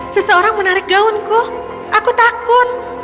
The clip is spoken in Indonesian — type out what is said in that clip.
seseorang menarik gaunku aku takut